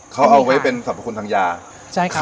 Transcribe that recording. เขาเอาไว้เป็นสรรพคุณทางยาใช่ค่ะ